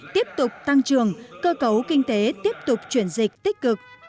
tiếp tục tăng trưởng cơ cấu kinh tế tiếp tục chuyển dịch tích cực